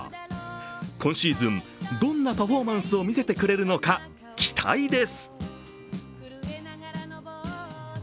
今シーズン、どんなパフォーマンスを見せてくれるのか期待です。